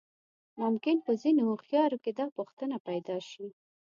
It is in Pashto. ممکن په ځينې هوښيارو کې دا پوښتنه پيدا شي.